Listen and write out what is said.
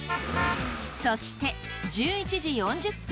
そして１１時４０分